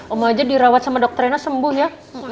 oma aja dirawat sama dokter rena sembuh ya